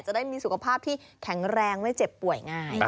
จะได้มีสุขภาพที่แข็งแรงไม่เจ็บป่วยง่าย